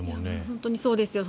本当にそうですよ。